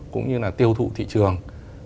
cũng như là tiêu thụ thị trường